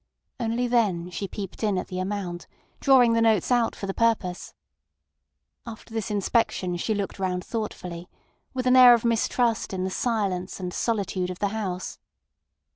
Only then she peeped in at the amount, drawing the notes out for the purpose. After this inspection she looked round thoughtfully, with an air of mistrust in the silence and solitude of the house.